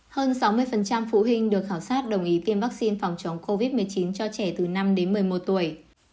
hơn sáu mươi phụ huynh được khảo sát đồng ý tiêm vaccine phòng chống covid một mươi chín cho trẻ từ năm đến một mươi một tuổi